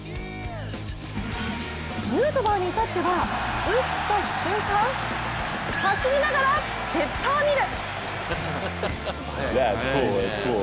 ヌートバーに至っては打った瞬間走りながらペッパーミル。